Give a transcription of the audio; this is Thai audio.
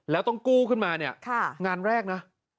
แล้วต้องกู้ขึ้นมาเนี่ยงานแรกนะ